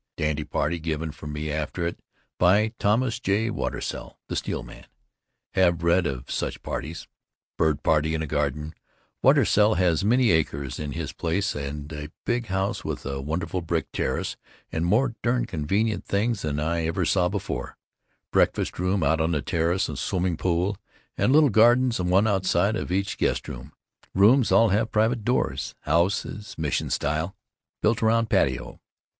Dandy party given for me after it, by Thomas J. Watersell, the steel man. Have read of such parties. Bird party, in a garden, Watersell has many acres in his place and big house with a wonderful brick terrace and more darn convenient things than I ever saw before, breakfast room out on the terrace and swimming pool and little gardens one outside of each guest room, rooms all have private doors, house is mission style built around patio.